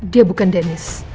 dia bukan dennis